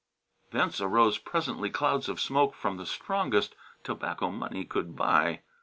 Thence arose presently clouds of smoke from the strongest tobacco money could buy.